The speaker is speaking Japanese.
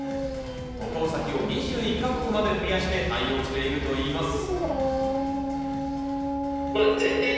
渡航先を２１か国まで増やして対応しているといいます。